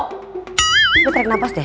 nek naik nafas deh